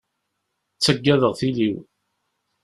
Ttaggadeɣ tili-w.